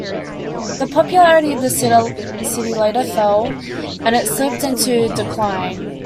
The popularity of the city later fell, and it slipped into decline.